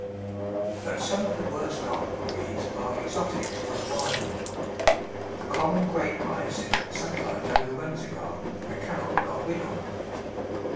But some of the worst garden weeds are exotics run wild. The common Grape Hyacinth sometimes overruns a garden and cannot be got rid of.